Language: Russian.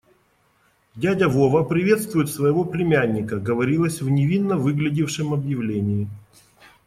«Дядя Вова приветствует своего племянника», - говорилось в невинно выглядевшем объявлении.